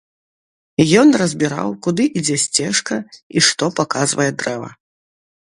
Ён разбіраў, куды ідзе сцежка і што паказвае дрэва.